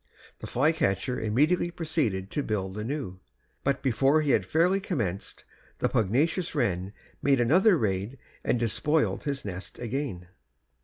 The flycatcher immediately proceeded to build anew, but before he had fairly commenced, the pugnacious wren made another raid and despoiled his nest again.